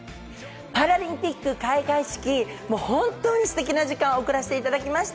パラリンピック開会式、ホントにステキな時間を送らせていただきました。